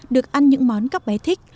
được ăn những món các bé thích